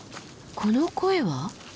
この声は？